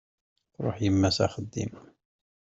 Truḥ yemma s axeddim.